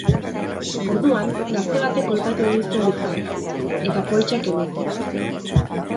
Orduan, gazte batek kolpatu egin zuen bizkarrean, eta poltsa kendu zien.